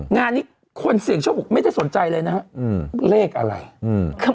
งานนี้คนเสี่ยงโชคบอกไม่ได้สนใจเลยนะฮะอืมเลขอะไรอืม